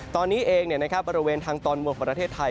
ตอนนี้เองบริเวณทางตอนบนของประเทศไทย